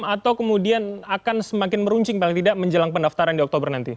atau kemudian akan semakin meruncing paling tidak menjelang pendaftaran di oktober nanti